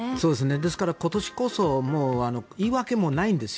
ですから今年こそ言い訳もないんですよ。